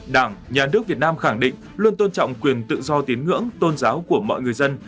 đảng nhà nước việt nam khẳng định luôn tôn trọng quyền tự do tín ngưỡng tôn giáo của mọi người dân